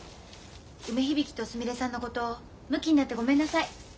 梅響とすみれさんのことむきになってごめんなさい。